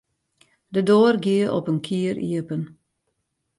De doar gie op in kier iepen.